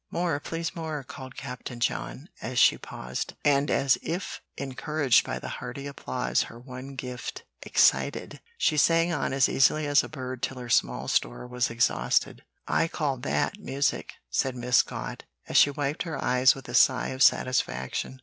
"More, please, more!" called Captain John, as she paused; and as if encouraged by the hearty applause her one gift excited, she sang on as easily as a bird till her small store was exhausted. "I call THAT music," said Miss Scott, as she wiped her eyes with a sigh of satisfaction.